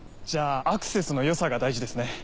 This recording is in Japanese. じゃあアクセスのよさが大事ですね。